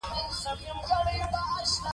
ضد و نقیض خبرې او افواهات وو.